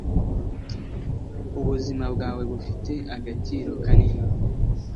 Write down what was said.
ubuzima bwawe bufite agaciro kanini